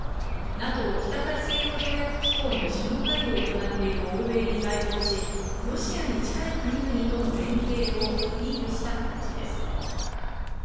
ＮＡＴＯ＝北大西洋条約機構の首脳会議を行っている欧米に対抗し、ロシアに近い国々との連携をアピールした形です。